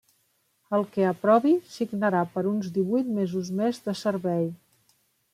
El que aprovi signarà per uns divuit mesos més de servei.